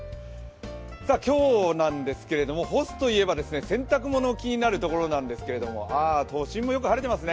今日なんですけど干すといえば洗濯物が気になるところですが都心もよく晴れてますね。